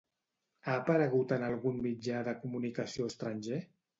Ha aparegut en algun mitjà de comunicació estranger?